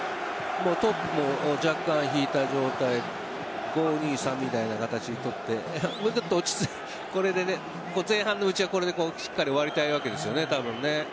トップを若干引いた状態５−２−３みたいな形取って前半のうちはこれでしっかり終わりたいわけですよね。